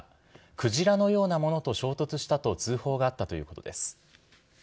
クジラのようなものと衝突したと通報があったということです。